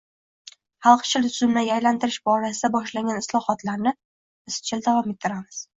xalqchil tuzilmaga aylantirish borasida boshlangan islohotlarni izchil davom ettiramiz.